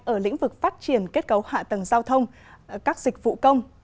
ở lĩnh vực phát triển kết cấu hạ tầng giao thông các dịch vụ công